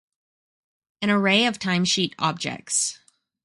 an array of timesheet objects